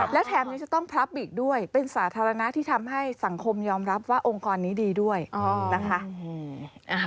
และแถมยังจะต้องพลับอีกด้วยเป็นสาธารณะที่ทำให้สังคมยอมรับว่าองค์กรนี้ดีด้วยนะคะ